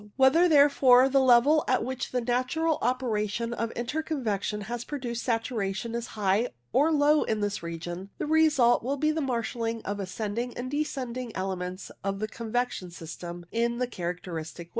Whether, therefore, the level at which the natural operation of inter convection has produced saturation is high or low in this region, the result will be the marshalling of the ascending and descending elements of the con vection system in the characteristic waves.